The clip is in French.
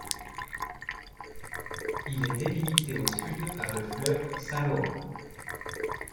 Il est délimité au sud par le fleuve Saint-Laurent.